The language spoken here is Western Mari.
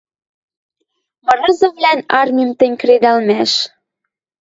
Мырызывлӓн армим тӹнь кредӓлмӓш.